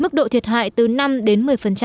mức độ thiệt hại từ năm đến một mươi